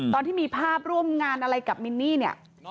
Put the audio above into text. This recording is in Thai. ตอนที่มีภาพร่วมงานอะไรกับมินนี่เนี่ย